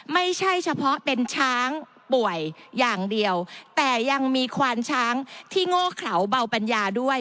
ไม่ใช่เฉพาะเป็นช้างป่วยอย่างเดียวแต่ยังมีควานช้างที่โง่เขาเบาปัญญาด้วย